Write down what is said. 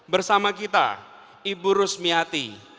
bersama kita ibu rusmiati